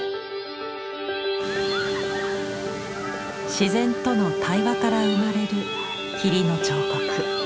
自然との対話から生まれる「霧の彫刻」。